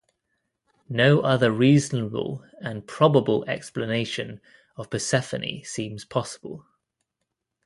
No other reasonable and probable explanation of Persephone seems possible.